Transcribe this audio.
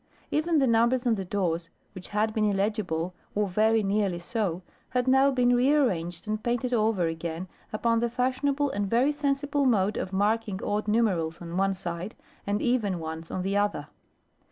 Even the numbers on the doors, which had been illegible, or very nearly so, had now been re arranged and painted over again upon the fashionable and very sensible mode of marking odd numerals on one side, and even ones on the other.